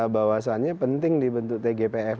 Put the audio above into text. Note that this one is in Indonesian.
bahwasannya penting dibentuk tgpf